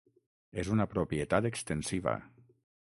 És una propietat extensiva.